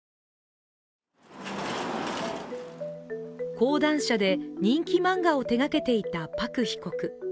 講談社で人気漫画を手がけていたパク被告。